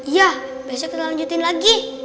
ya besok kita lanjutin lagi